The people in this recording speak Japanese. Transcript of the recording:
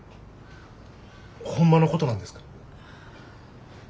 ホンマのことなんですか？